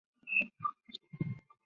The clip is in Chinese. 详情可参考职业训练局网站。